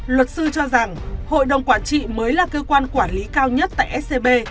luật sư cho rằng hội đồng quản trị mới là cơ quan quản lý cao nhất tại scb